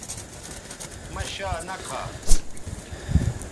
مہ شا نہ کھا